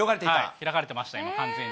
開かれてました、今、完全に。